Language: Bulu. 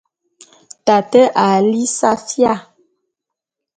Tate a lí safía.